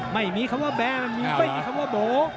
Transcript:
ไม่มีคำว่าแบร์มันมีไม่มีคำว่าโบ๋